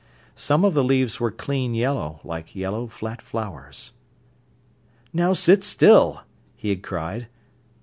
Some of the leaves were clean yellow, like yellow flat flowers. "Now sit still," he had cried.